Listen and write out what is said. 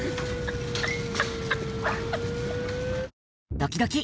ドキドキ。